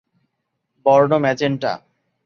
বর্ণ ম্যাজেন্টা।